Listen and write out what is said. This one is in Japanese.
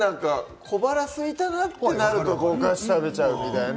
小腹がすいたなとなるとお菓子を食べちゃうみたいな